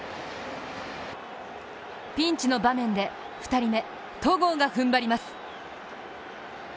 ピンチの場面で２人目、戸郷がふんばります。